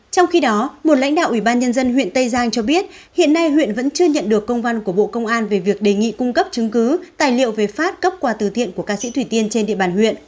trong khi đó một lãnh đạo ủy ban nhân dân huyện tây giang cho biết hiện nay huyện vẫn chưa nhận được công văn của bộ công an về việc đề nghị cung cấp chứng cứ tài liệu về phát cấp quà từ thiện của ca sĩ thủy tiên trên địa bàn huyện